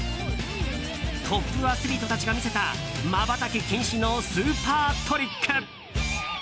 トップアスリートたちが見せたまばたき禁止のスーパートリック。